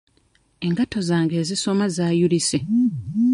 Engatto zange ezisoma zaayulise.